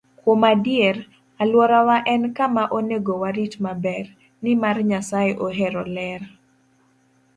Kuom adier, alworawa en kama onego warit maber, nimar Nyasaye ohero ler.